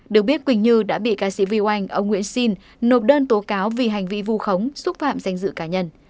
được biết quỳnh như đã bị ca sĩ viu anh ông nguyễn sinh nộp đơn tố cáo vì hành vị vu khống xúc phạm danh dự cá nhân